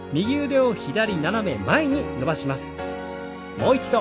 もう一度。